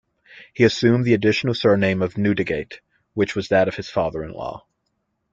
He assumed the additional surname of Newdegate, which was that of his father-in-law.